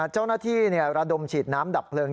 เจ้าหน้าที่ระดมฉีดน้ำดับเพลิง